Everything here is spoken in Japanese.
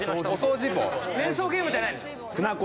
連想ゲームじゃないです。